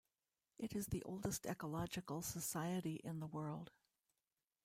It is the oldest ecological society in the world.